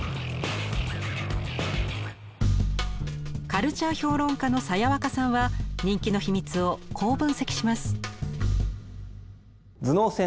カルチャー評論家のさやわかさんは人気の秘密をこう分析します。